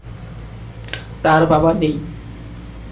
তার বাবা নেই।